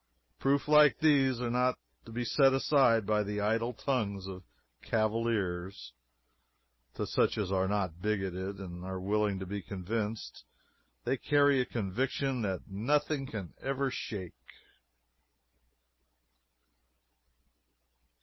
Proofs like these are not to be set aside by the idle tongues of cavilers. To such as are not bigoted, and are willing to be convinced, they carry a conviction that nothing can ever shake.